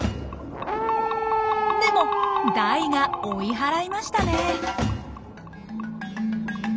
でもダイが追い払いましたね。